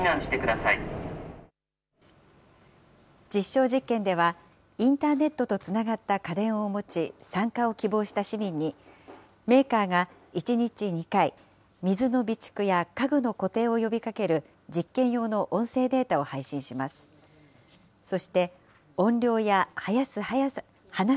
実証実験では、インターネットとつながった家電を持ち、参加を希望した市民に、メーカーが１日２回、水の備蓄や家具の固定を呼びかける実験用の音声データを配信します。